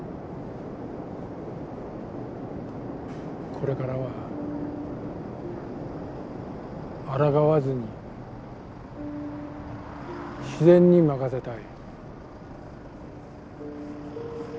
これからはあらがわずに自然に任せたい。